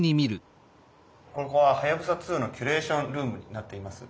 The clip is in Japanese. ここははやぶさ２のキュレーションルームになっています。